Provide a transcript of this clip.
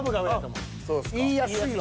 言いやすいわ。